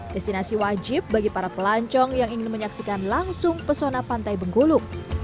destinasi wajib bagi para pelancong yang ingin menyaksikan langsung pesona pantai bengkulu